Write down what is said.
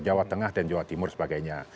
jawa tengah dan jawa timur sebagainya